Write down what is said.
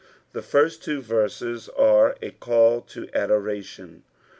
— The first treo verses ore a mU to adoration.